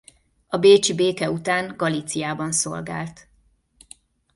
A Bécsi béke után Galíciában szolgált.